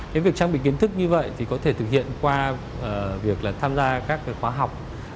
cái việc trang bị kiến thức như vậy thì có thể thực hiện qua việc tham gia các khóa học